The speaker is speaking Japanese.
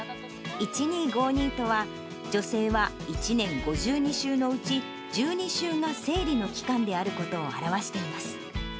１２５２とは、女性は１年５２週のうち、１２週が生理の期間であることを表しています。